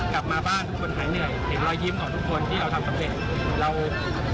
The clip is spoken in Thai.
กลับมาบ้านทุกคนหายเหนื่อยเห็นรอยยิ้มของทุกคนที่เราทำสำเร็จเรา